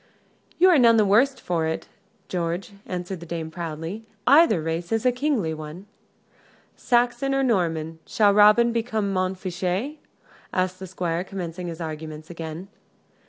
"You are none the worse for't, George," answered the dame, proudly. "Either race is a kingly one." "Saxon or Norman shall Robin become Montfichet?" asked the Squire, commencing his arguments again.